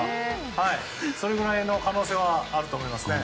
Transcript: それくらいの可能性はあると思いますね。